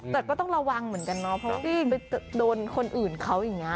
แต่ก็ต้องระวังเหมือนกันเนาะเพราะว่าไปโดนคนอื่นเขาอย่างนี้